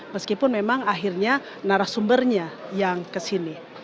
meskipun memang akhirnya narasumbernya yang kesini